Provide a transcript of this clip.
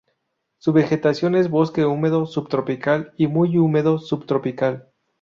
Su vegetación es bosque húmedo subtropical y muy húmedo subtropical.